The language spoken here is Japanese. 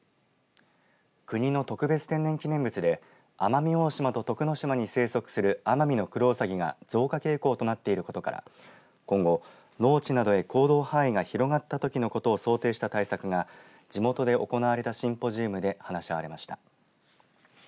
国の特別天然記念物で奄美大島と徳之島に生息するアマミノクロウサギが増加傾向となっていることから今後、農地などへ行動範囲が広がったときのことを想定した対策が地元で行われたシンポジウムで話し合われました。